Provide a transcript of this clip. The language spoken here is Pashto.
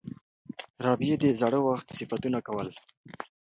رابعې د زاړه وخت صفتونه کول.